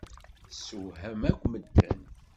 Teswehmem akk medden.